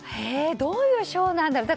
どういうショーなんだろう。